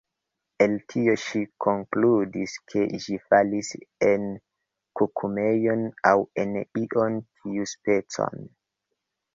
El tio ŝi konkludis ke ĝi falis en kukumejon, aŭ en ion tiuspecan.